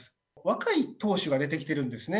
若い当主が出てきてるんですね。